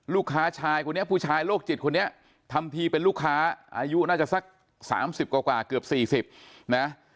ลูกค้าชายคนนี้ผู้ชายโรคจิตคนนี้ทำทีเป็นลูกค้าอายุน่าจะสัก๓๐กว่าเกือบ๔๐นะ